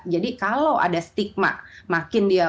jadi kalau ada stigma makin dia